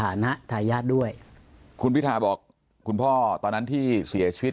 นะทายาทด้วยคุณพิทาบอกคุณพ่อตอนนั้นที่เสียชีวิต